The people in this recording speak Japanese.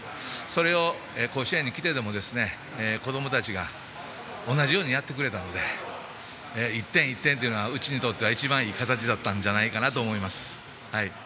それを甲子園に来てでも子どもたちが同じようにやってくれたので１点１点というのはうちにとっては一番いい形だったんじゃないかと思います。